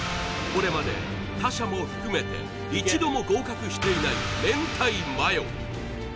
これまで他社も含めて一度も合格していない明太マヨ